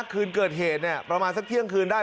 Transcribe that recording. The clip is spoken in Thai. คืนเกิดเหตุเนี่ยประมาณสักเที่ยงคืนได้